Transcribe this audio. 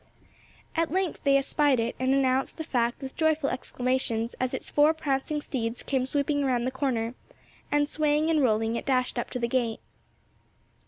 At length they espied it and announced the fact with joyful exclamations as its four prancing steeds came sweeping around the corner and, swaying and rolling, it dashed up to the gate.